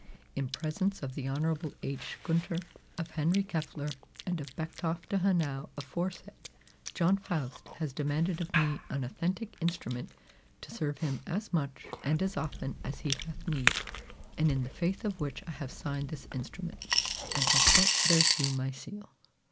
In presence of the Honorable H. Gunter, of Henry Keffler, and of Becktoff de Hanau aforesaid, John Faust has demanded of me an authentic instrument to serve him as much and as often as he hath need, and in the faith of which I have signed this instrument, and have set thereto my seal."